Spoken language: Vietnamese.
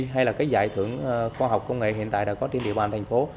hay là cái giải thưởng khoa học công nghệ hiện tại đã có trên địa bàn thành phố